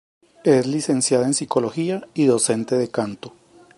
Es licenciada en Psicología y docente de canto.